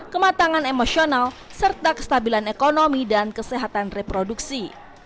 kematangan emosional serta kestabilan ekonomi dan kesehatan reproduksi